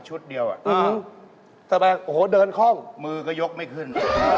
โอ้โธเดินคล่องมือก็ยกไม่ขึ้น